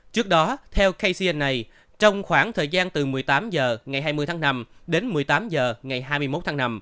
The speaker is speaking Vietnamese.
trước đó theo kcna trong khoảng thời gian từ một mươi tám giờ ngày hai mươi tháng năm đến một mươi tám giờ ngày hai mươi một tháng năm